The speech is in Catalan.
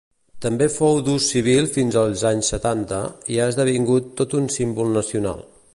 També fou d'ús civil fins als anys setanta, i ha esdevingut tot un símbol nacional.